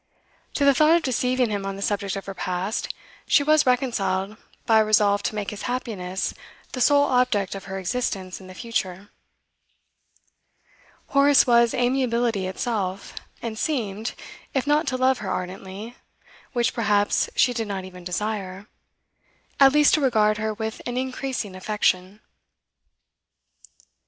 To the thought of deceiving him on the subject of her past, she was reconciled by a resolve to make his happiness the sole object of her existence in the future. Horace was amiability itself, and seemed, if not to love her ardently (which, perhaps, she did not even desire), at least to regard her with an increasing affection.